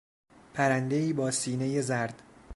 پرندهای با سینهی زرد